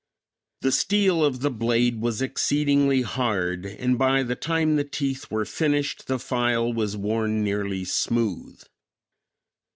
The steel of the blade was exceedingly hard and by the time the teeth were finished the file was worn nearly smooth.